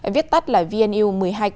viết tắt là vnu một mươi hai